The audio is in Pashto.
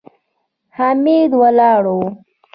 حميد ولاړ و.